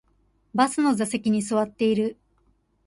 バスの座席に座っている